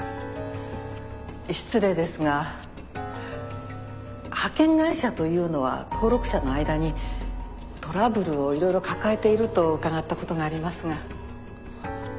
失礼ですが派遣会社というのは登録者の間にトラブルをいろいろ抱えていると伺った事がありますが。